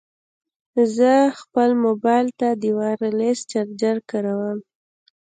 زه خپل مبایل ته د وایرلیس چارجر کاروم.